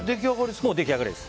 もう出来上がりです。